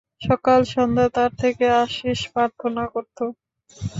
সকাল-সন্ধ্যা তার থেকে আশীষ প্রার্থনা করত।